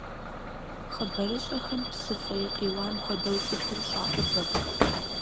Хъыбарыщӏэхэм псы фӏей къиуам хуэдэу цӏыхур щӏаӏубэ.